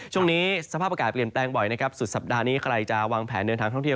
ช่วงนี้สภาพอากาศเปลี่ยนแปลงบ่อยนะครับสุดสัปดาห์นี้ใครจะวางแผนเดินทางท่องเที่ยว